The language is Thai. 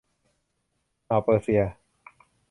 อ่าวเปอร์เซีย